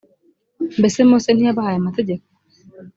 mbese mose ntiyabahaye amategeko